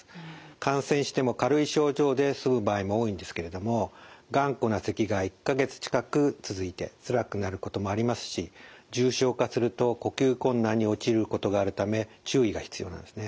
感染しても軽い症状で済む場合も多いんですけれども頑固なせきが１か月近く続いてつらくなることもありますし重症化すると呼吸困難に陥ることがあるため注意が必要なんですね。